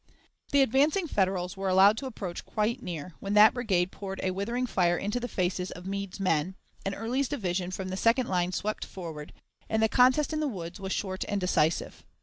The advancing Federals were allowed to approach quite near, when that brigade poured a withering fire into the faces of Meade's men, and Early's division from the second line swept forward, and the contest in the woods was short and decisive.